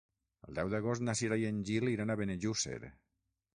El deu d'agost na Cira i en Gil iran a Benejússer.